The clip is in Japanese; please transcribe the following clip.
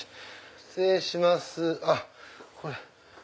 失礼します。